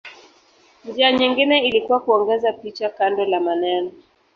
Njia nyingine ilikuwa kuongeza picha kando la maneno.